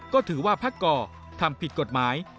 ก็ถือว่าพักก่อทำผิดกฎหมาย